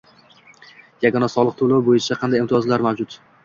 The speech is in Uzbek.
yagona soliq to‘lovi bo‘yicha qanday imtiyozlar mavjud?